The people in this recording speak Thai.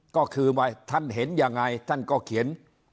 ก็คือว่าท่านเห็นยังไงท่านก็เขียน